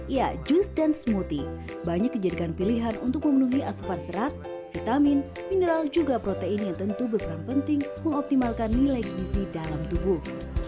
ya jus dan smoothie banyak dijadikan pilihan untuk memenuhi asupan serat vitamin mineral juga protein yang tentu berperan penting mengoptimalkan nilai gizi dalam tubuh